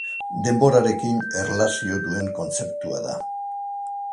Denborarekin erlazio duen kontzeptua da.